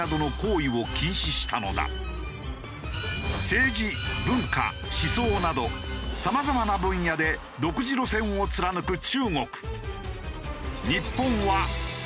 政治文化思想などさまざまな分野で独自路線を貫く中国。